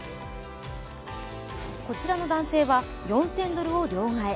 こちらの男性は４０００ドルを両替。